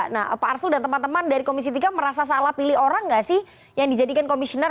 nah pak arsul dan teman teman dari komisi tiga merasa salah pilih orang nggak sih yang dijadikan komisioner